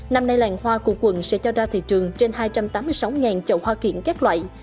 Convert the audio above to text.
năm nay làng hoa của quận sẽ trao ra thị trường trên hai trăm tám mươi sáu chậu hoa kiển các loại